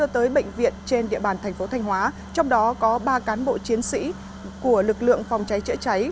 tại thành phố thanh hóa trong đó có ba cán bộ chiến sĩ của lực lượng phòng cháy chữa cháy